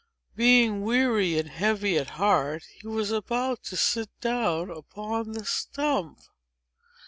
Being weary and heavy at heart, he was about to sit down upon the stump.